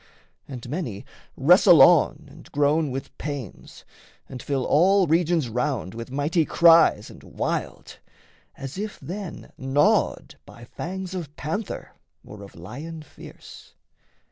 And many wrestle on And groan with pains, and fill all regions round With mighty cries and wild, as if then gnawed By fangs of panther or of lion fierce.